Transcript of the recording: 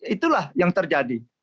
itulah yang terjadi